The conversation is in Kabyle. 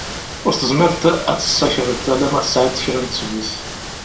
Ur tezmireḍ ad t-tessakreḍ ala ma tesεiḍ kra n ttbut.